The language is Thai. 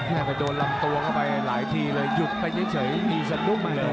ไปโดนลำตัวเข้าไปหลายทีเลยหยุดไปเฉยมีสะดุ้งเลย